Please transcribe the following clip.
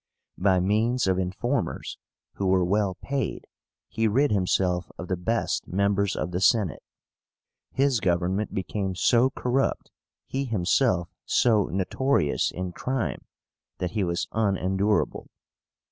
By means of informers, who were well paid, he rid himself of the best members of the Senate. His government became so corrupt, he himself so notorious in crime, that he was unendurable.